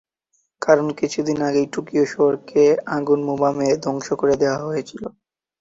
কারণ, কিছুদিন আগেই টোকিও শহরকে আগুনবোমা মেরে ধ্বংস করে দেওয়া হয়েছিল।